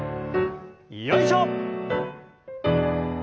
よいしょ！